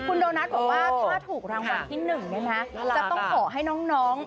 คุณโดนัทบอกว่าถ้าถูกรางวัลที่๑เนี่ยนะจะต้องขอให้น้อง